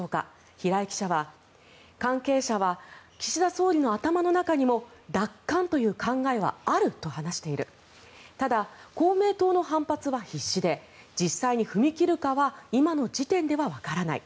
平井記者は、関係者は岸田総理の頭の中にも奪還という考えはあると話しているただ、公明党の反発は必至で実際に踏み切るかは今の時点ではわからない。